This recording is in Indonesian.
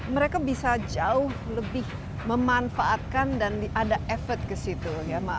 mereka bisa jauh lebih memanfaatkan dan ada efek ke situ